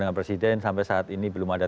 dengan presiden sampai saat ini belum ada